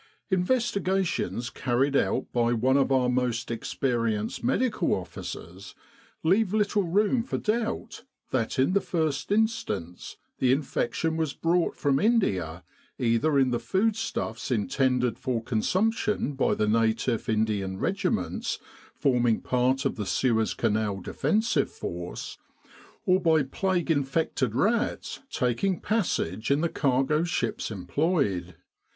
Investigations carried out by one of our most experienced Medical Officers leave little room for doubt that in the first instance the infection was brought from India either in the foodstuffs intended for consumption by the native Indian regiments forming part of the Suez Canal defensive Force, or by plague infected rats taking passage in the cargo ships employed.